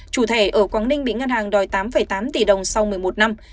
chủ thể ở quang ninh bị ngân hàng đòi tám tám tỷ đồng sau một mươi một năm